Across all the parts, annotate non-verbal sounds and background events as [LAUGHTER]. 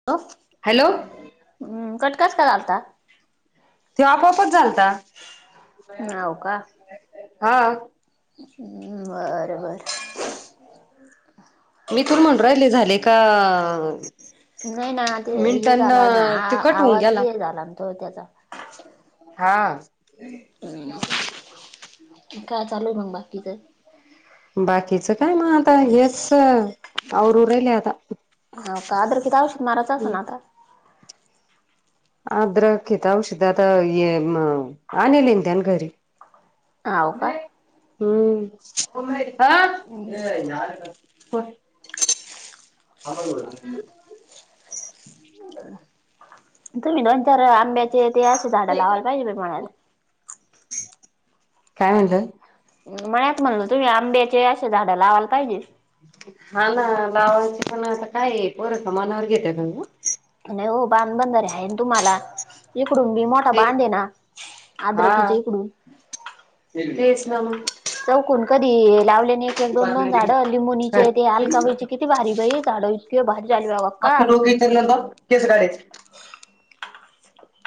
[UNINTELLIGIBLE] Hello! हम्म कटकस का व्हालता. ते आपोआपच झालता, हाव हा. बरं बरं. मी तुर म्हण राहिले झाले का. नाही ना ते हे मिनटांना झाला ना ते आ कट होऊन आवाज गेला ते झाला ना तो त्याचा. हा. हम्, काय चालू आहे मंग बाकीच. बाकीचं काय मग आता हेच आवरु उरेहिल आता. हा कादर कि औषध माराचं अस ना आता. आद्र घिताषध आता आणल इंदन घरी. हाव का नाही. हम्म हो हो. [UNINTELLIGIBLE] तुम्ही दोन-चार आंब्याचे ते असे झाडं लावायला पाहिजे म्हणाला. काय म्हणलं? म्हणत म्हणल तुम्ही आंब्याचे असे झाडं लावायला पाहिजे. हा ना लावांचे पण आता काय पोर समानावर घेते का. नाही हो बाध-बधरे आहे ना तुम्हाला. इकडून मी मोठा ते बांध ना आद्रकीचे हा इकडून. तेच मग. चौकून कधी लावलेने. एक दोन दोन झाडं अिमोनीचे ते आलकावाईची किती भारी बाई झाडं इतके भारी लूघ. आता रोगी त्यालं केस करायच.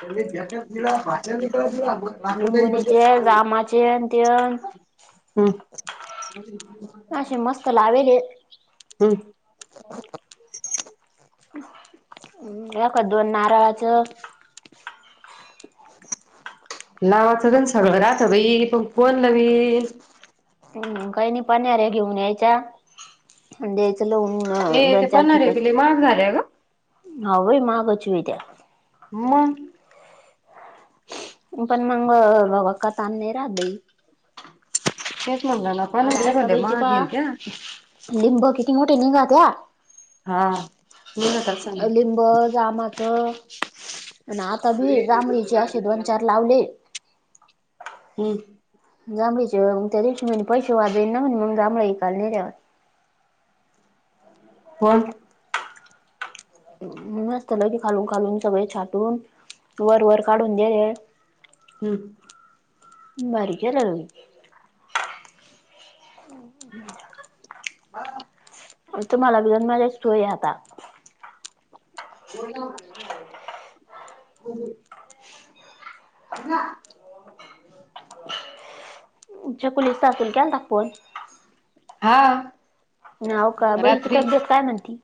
त्या बटक तिला भाचन ला. लिंबुणीचे जामाचे अन ते [UNINTELLIGIBLE] हम्. असे मस्त लावेले. हम्. काख दोन नारळाचं. लावाच पण सगळं राहत ह बाई पण कोण लावी. ह काही नाही पाणीरे घेऊन यायच्या द्यायचं लहून. हे ते पनधरे पिले माग झाले ग. हाव बाई माहागच वित्या म! पण मंग कथान नाही राहत बाई. तेच म्हणलं ना आता पन्हाऱ्या आलका भले बाईचे महाग पहा! येईन त्या लिंब किती मोठे घेऊन जातिया. हा! निघत असन लिंब जा मक आणि आता बी जांभळीचे असे दोन चार लावले. हम्म! जांभळीचे मग त्या दिवशी म्हणी पैसे वाजेना म्हणे मग जांभळा इकाईला नेले वाटत. पण मग खालून खालून सगळे छाटून तू वर वर काढून दे. हम्म! भारी केलं [INAUDIBLE] आण तुम्हाला भिऊन सोय आता [UNINTELLIGIBLE] अण्णा! छकुलीचा सासूला केलता का फोन? हा! हाव का ब हिची रात्री तब्जत काय म्हणती?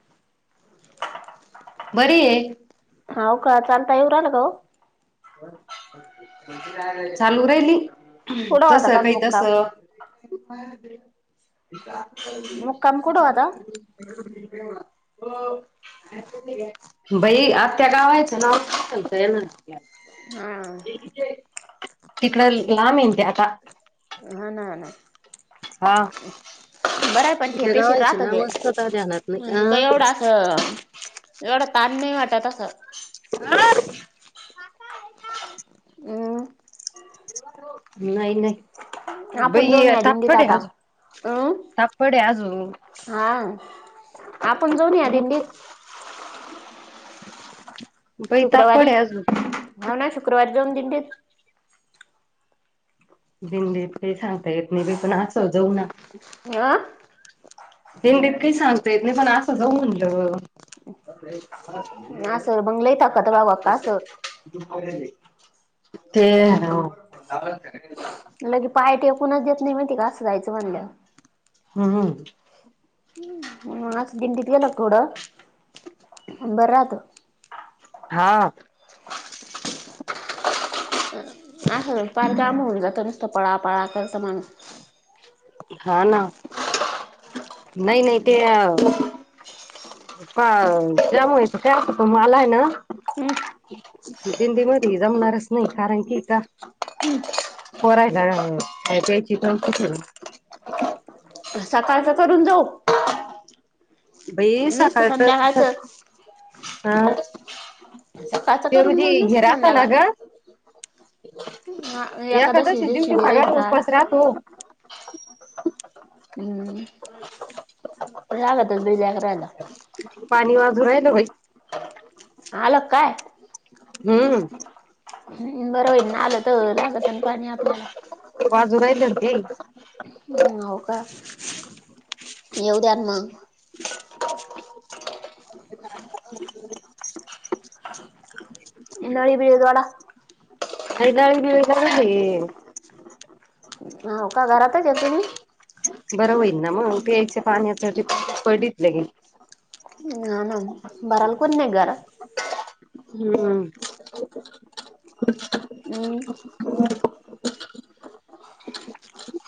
बरी आहे. हाव का चालता येऊ राल का ओ? चालू राहिली कुठं तस होता काल काही तस [UNINTELLIGIBLE] मुक्काम मुक्काम कुठं होता [UNINTELLIGIBLE] बाई अख्ख्या गावायचं नाव हा! तीकडं लांब हाय ना ते आता? ह नाही नाही. हा! [INAUDIBLE] बरंय पण ते त्या पैशे गावाची नाव राहत्यात असतात ध्यानात नाही म्हणजे का एवढं अ असं एवढं ताण नाही वाटत आस. आ [UNINTELLIGIBLE] नाही नाही आपण बाई जाऊन या दिंडीत तापट आहे आता अजू अं तापड आहे आजू हा आपण जाऊ ना या दिंडीत? [UNINTELLIGIBLE] शुक्रवारी तापड आहे अजून हा ना शुक्रवारी जाऊ दिंडीत. दिंडीत काही सांगता येत नाही बाई पण अस जाऊ ना. अं दिंडीत काही सांग ता येत नाही पण असं जाऊ म्हणलं. आस बंगलई ताकत गाव आस ते लगे पाय टेकूनच देत नाही का आस जायचं असं म्हणल्याव. हम् हम! मग आस दिंडीत गेल का थोडं बरं राहत. हा! अस त पार जाम होऊन जातं, नुसतं पळा, पळा करत माणूस. हा ना नही, नही ते अ. का त जाम व्हायचं काय असत, तो मालाय ना हम्म दिंडी मदी जमणारच नाही कारण की का? पोरायला त्यायची चीकन [UNINTELLIGIBLE] सकाळचं करून जाऊ? बई नुसतं सकाळच सक संध्याकाळचं हा सकाळचं करून जाऊन, नुसत ना संध्याकाळ ग हा एकादशी चं दिवशी बी सगळ्यांना राहीन राहडा. उपवास राहतो हूं राहडा त बील्या क रायला. पाणी वाजू राहिल बई. आल कं काय? हूं! बर होईल ना आलात, लागत न पाणी आपल्याला. वाजू राहिले होते हूं हो का येवद्या मग. [INAUDIBLE] ह [UNINTELLIGIBLE] नळी बिळी जोडा? हदा का आहे [UNINTELLIGIBLE] हो का घरातच ये तुम्ही? बरं होईल ना मग प्यायच्या पाण्याचं टीप पडीत ल्या गेली. हाना बाराल कोन नाही घारा हूं! हम्म, ह [INAUDIBLE]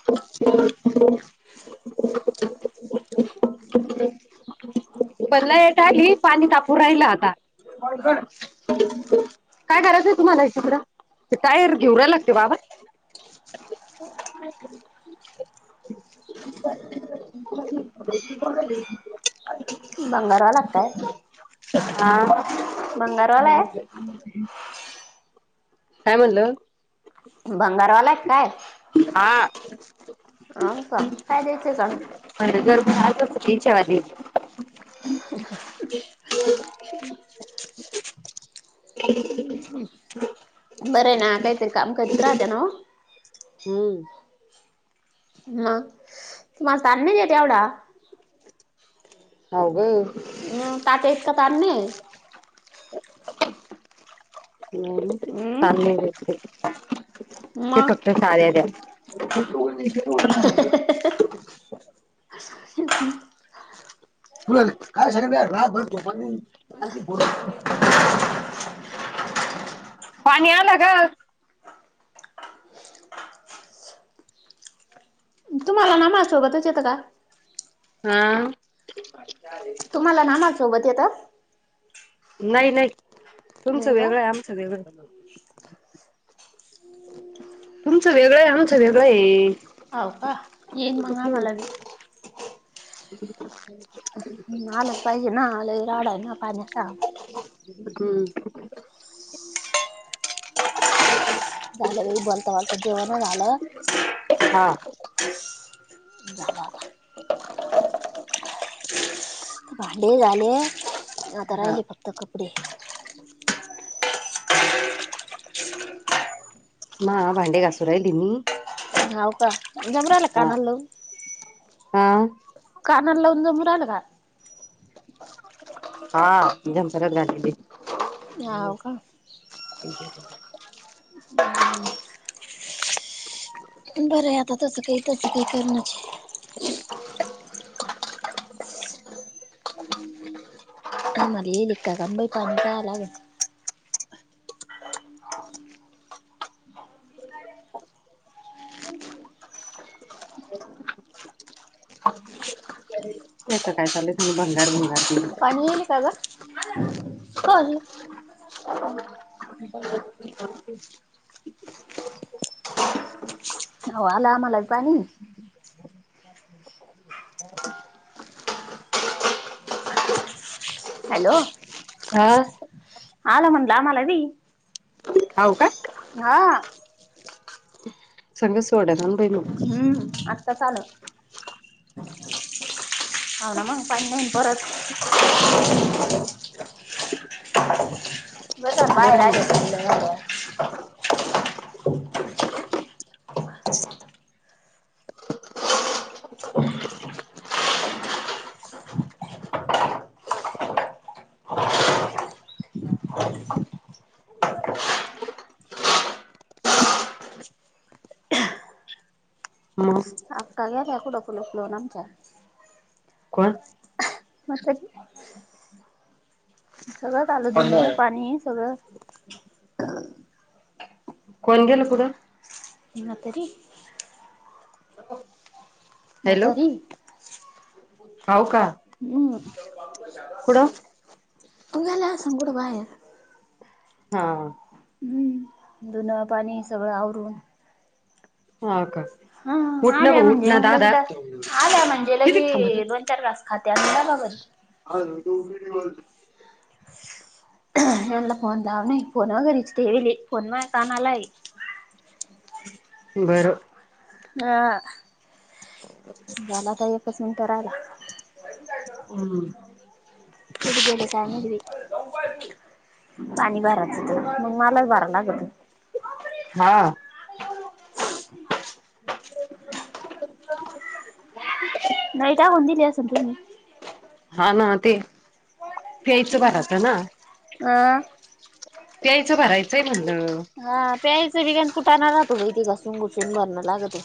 [INAUDIBLE] [INAUDIBLE] पन लायेट आली, पाणी तापू राहिल आता. काय करायचंय तुम्हाला हे टिपड, ते टायर घेवू रायला का त्यो बाबा. [INAUDIBLE] [UNINTELLIGIBLE] भंगार वाला काय? हा! भंगारवाला आहे काय म्हणलं. भंगारवाला आहे की काय? हा! आ का काय द्यायचंय सांग. बरं जर आत मधी [UNINTELLIGIBLE] [INAUDIBLE] [INAUDIBLE] बरंये ना काहीतरी काम करीत राहत्यां नव्ह. हूं! मग तुम्हांल ताण नाही येत येवढा. हाव ग. म तात्या इतका ताण नही ये. हूं हम्म, ताण नही देत ते तें मग फक्त चाव्या दया. [INAUDIBLE] [UNINTELLIGIBLE] तुला काय सांगितलं यार रातभर झोपा नही. पाणी आलं ग. तुम्हाला ना आम्हाला सोबतच येतं का? हा मला ना मा सोबत येत? नाही नाही तुमचं नाही ग वेगळं आहे. आमचं वेगळं. तुमचं वेगळं ऐ आमचं वेगळंऐ. हव का येन मग अमला बी. [INAUDIBLE] आलच पाहिज ना लय राडा ना पाण्यात. हम्म झालं बाई बोलता बोलत जेवण झालं. हा. [INAUDIBLE] भांडे झाले, आता हा राहिले फक्त कपडे. [INAUDIBLE] मा भांडे घासूरहिली मी. हाव का? जमू राहील हा काना लावून? हा कानाल लावून जमू राहिलं का? हा जम [UNINTELLIGIBLE] हो हाव का ठीक आहे. हम्म. पण बरं आहे आता तसं काही तसं काही कारणच हे. आम्हाला एलिका का बाई पाणी पा लागन. [INAUDIBLE] त्यांच काय चालू हे, भंगार भंगार. पाणी येल का गं? नाय येणार, कोण? [INAUDIBLE] [INAUDIBLE] [INAUDIBLE] हवं आलंय आमाला बी पाणी हॅलो. हा. आला म्हणलं आम्हाला बी. हवं काय? हा सर्व्हिस हम्म आत्ताच आलं. हाव ना मग, पाणी नाईना परत. बस झालं बरं बाहेर आहे आली ना [UNINTELLIGIBLE] मग आक्का गेल्या कुडं [UNINTELLIGIBLE] आमच्या. कोण? मग ते सगळं झालं धुन, पाणी सगळं? कोण गेलं कुठं? म्हातारी. हॅलो म्हतारी. हाव का? हम्म, कुठं तू गेला असन कुड बाहेर. हा. हम्म धून पाणी सगळं आवरून. हा का? हंम उठ ना आल्या भाऊ उठ म्हणजे ना मग लगी दादा ड, आल्या म्हणजे किती थांबा तू लगी दोन चार घास खात्यात त्या बगल. [UNINTELLIGIBLE] मी म्हणला फोन लाव नाई फोन म घरीच तेवली फोन मा कानला हाय. बरं हा झाला आता एकच मिंटं राहिला. हम्म. [UNINTELLIGIBLE] पाणी भरायचं तर मग मला भराव लागत. हा. [UNINTELLIGIBLE] नाही का होऊन दिली असं तुम्ही. हा ना ते पियाचा भरात ना. आं पेयायचा भरायचंय म्हणलं. हा प्यायचं बी गन कुठाणार राहतो बहि ते घासून घुसून भरणं लागत.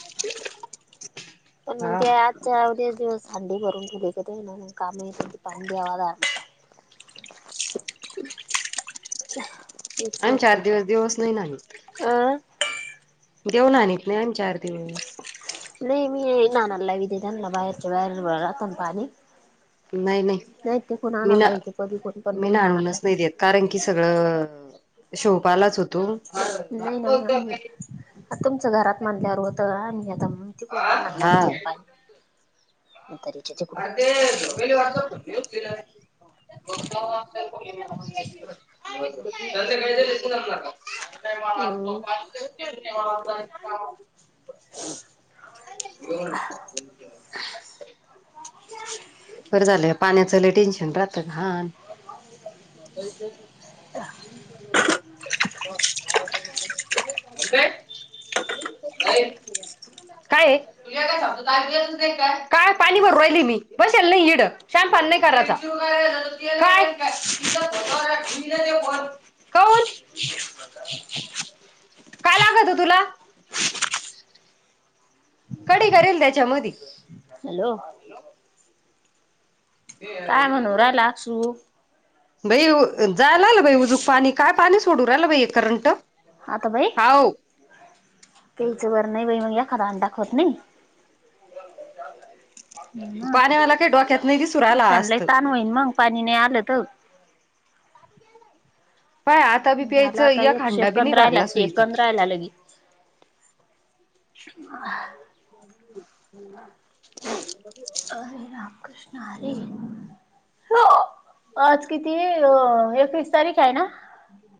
पण मग हा ते आजच्या अवद्या दिवस हंडी भरून ठेवले का ते ना म कामं येतेन तेपाणी द्यावाला. आणि चार दिवस दिवस नाही नाही. अं देऊन आणत नाही आणि चार दिवस. नाही मी नानाला वि देत ना बाहेरच्या बाहेर राहताना पाणी. नाही इथे कोण मी ना आणारला इथे कधी कोण पण मी मग ना राहणारला. आणूनच नाही देत कारण की सगळं शोपालाच होतो. नाही ना [UNINTELLIGIBLE] मी. आ तुमचं घरात म्हनल्यावर होतं आम्ही आता तिकडून हा आणलागते पाणी. म्हातारीच्या तिकडून [UNINTELLIGIBLE] [UNINTELLIGIBLE] हम्म. [UNINTELLIGIBLE] [UNINTELLIGIBLE] बरं झालंय पाण्याच लय टेन्शन राहतं लहान [INAUDIBLE] [UNINTELLIGIBLE] काय आहे काय पाणी भरून राहिली मी. [UNINTELLIGIBLE] [UNINTELLIGIBLE] [UNINTELLIGIBLE] काय लागत हो तुला? [UNINTELLIGIBLE] कडी करील त्यांच्यामध्ये. हॅलो [UNINTELLIGIBLE] काय म्हणू राहिला अक्षू? बाई जा आणायला बाई उजूक पाणी काय पाणी सोडू राहिला बा करंट. आता बाई हाव पिचवर नाही बाई मग एखादा हंडा खोजणे. ना पाण्यावाला काही डोक्यात नाही दिसू राहिला असं आज लय तर तान होईन मग पाणी नाही आलं त. पाय आता बी झालं प्यायचं आता एक हांडा बी नाही सेकंद राहिला भरला सुईचा सेकंद राहिला लगे. हरे राम कृष्ण हरे. आज किती अ एकवीस तारीख आहे ना? हम्